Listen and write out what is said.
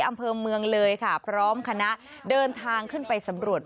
อำเภอเมืองเลยค่ะพร้อมคณะเดินทางขึ้นไปสำรวจ